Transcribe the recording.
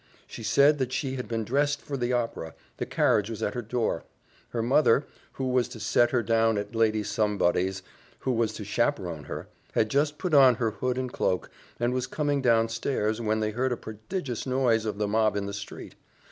She said that she had been dressed for the opera the carriage was at the door her mother, who was to set her down at Lady Somebody's, who was to chaperon her, had just put on her hood and cloak, and was coming down stairs, when they heard a prodigious noise of the mob in the street.